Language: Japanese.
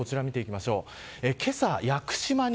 こちら見てきましょう。